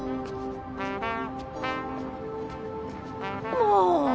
もう！